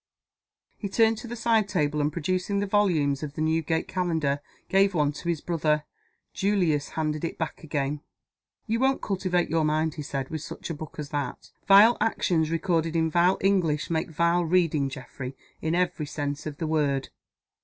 He turned to the side table, and, producing the volumes of the Newgate Calendar, gave one to his brother. Julius handed it back again. "You won't cultivate your mind," he said, "with such a book as that. Vile actions recorded in vile English, make vile reading, Geoffrey, in every sense of the word."